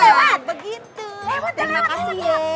lewat begitu terima kasih ya